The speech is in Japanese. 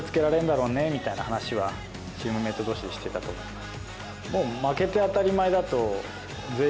チームメート同士でしてたと思います。